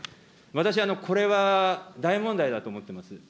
私、これは大問題だと思ってます。